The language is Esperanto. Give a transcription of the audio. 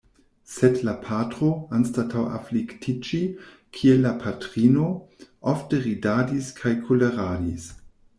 Sed la patro, anstataŭ afliktiĝi kiel la patrino, ofte ridadis kaj koleradis.